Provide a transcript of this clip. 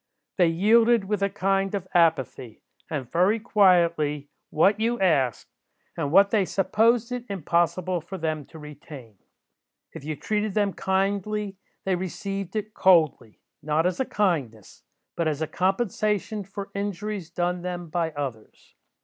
They yielded with a kind of apathy, and very quietly, what you asked, and what they supposed it impossible for them to retain. If you treated them kindly, they received it coldly; not as a kindness, but as a compensation for injuries done them by others.